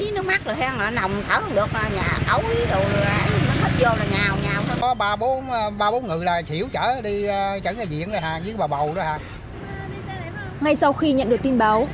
ngay sau khi nhận được tin báo